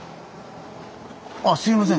あっすみません。